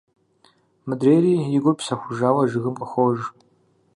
Мыдрейри, и гур псэхужауэ, жыгым къохыж…